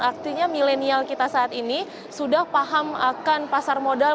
artinya milenial kita saat ini sudah paham akan pasar modal